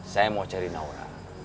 saya mau cari naura